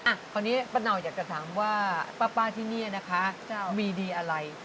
คราวนี้ป้าเนาอยากจะถามว่าป้าที่นี่นะคะมีดีอะไร